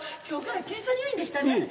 今日から検査入院でしたね。